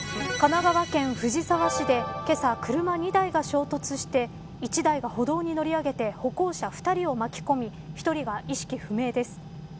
神奈川県藤沢市でけさ、車２台が衝突して１台が歩道に乗り上げて歩行者２人を巻き込み１人が意識不明です。